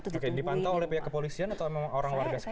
oke dipantau oleh pihak kepolisian atau memang orang warga sekitar